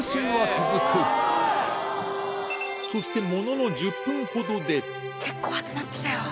そしてものの１０分ほどで結構集まってきたよ！